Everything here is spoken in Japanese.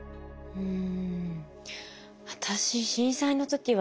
うん。